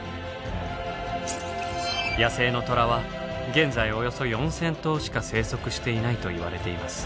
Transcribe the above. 野生のトラは現在およそ４，０００頭しか生息していないといわれています。